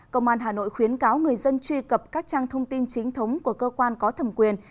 công an hà nội khuyến cáo người dân truy cập các trang thông tin chính thống của cơ quan có thẩm quyền